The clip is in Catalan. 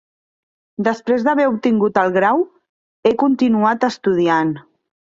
Després d'haver obtingut el grau, he continuat estudiant.